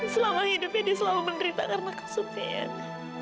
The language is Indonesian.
selama hidupnya dia selalu menderita karena kesupian